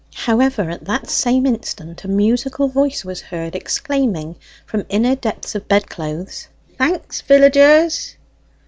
However, at that same instant a musical voice was heard exclaiming from inner depths of bedclothes "Thanks, villagers!"